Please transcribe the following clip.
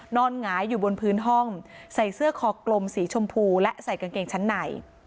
หงายอยู่บนพื้นห้องใส่เสื้อคอกลมสีชมพูและใส่กางเกงชั้นใน